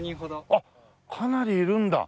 あっかなりいるんだ。